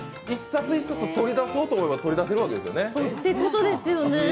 一冊一冊、取り出そうと思えば取り出せるわけですよね。